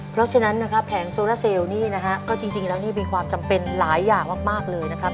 เพราะฉะนั้นแผงโซร่าเซลจริงแล้วมีความจำเป็นหลายอย่างมากเลยนะครับ